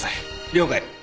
了解。